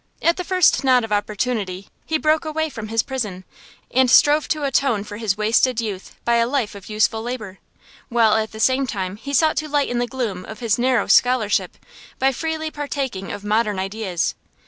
At the first nod of opportunity he broke away from his prison, and strove to atone for his wasted youth by a life of useful labor; while at the same time he sought to lighten the gloom of his narrow scholarship by freely partaking of modern ideas.